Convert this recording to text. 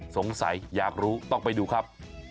สงสัยอยากรู้ต้องไปดูครับ